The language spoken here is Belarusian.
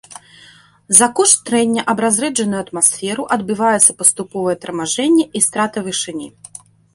За кошт трэння аб разрэджаную атмасферу адбываецца паступовае тармажэнне і страта вышыні.